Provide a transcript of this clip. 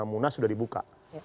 munas sudah dibuka